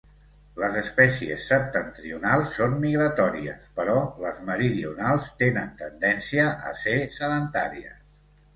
Les espècies septentrionals són migratòries, però les meridionals tenen tendència a ser sedentàries.